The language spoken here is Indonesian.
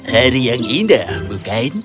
hari yang indah bukan